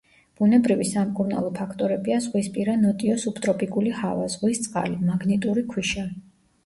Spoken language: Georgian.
ბუნებრივი სამკურნალო ფაქტორებია ზღვისპირა ნოტიო სუბტროპიკული ჰავა, ზღვის წყალი, მაგნიტური ქვიშა.